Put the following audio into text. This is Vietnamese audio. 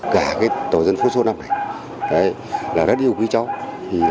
cả tổ dân phố số năm này là rất yêu quý cháu